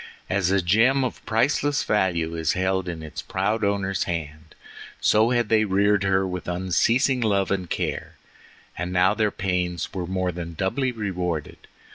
As a gem of priceless value is held in its proud owner's hand, so had they reared her with unceasing love and care: and now their pains were more than doubly rewarded.